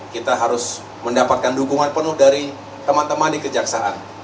kita harus mendapatkan dukungan penuh dari teman teman di kejaksaan